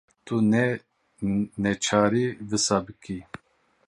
Tu ne neçarî wisa bikî.